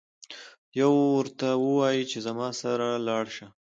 یو ورته وایي چې زما سره لاړشه.